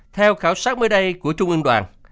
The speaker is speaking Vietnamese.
theo khảo sát mới đây của trung ương đoàn